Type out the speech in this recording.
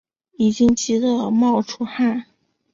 已经急的冒出汗